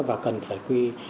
và cần phải quy